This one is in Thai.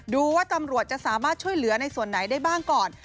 ดูว่าตำรวจจะสามารถช่วยเหลือในส่วนไหนได้บ้างก่อน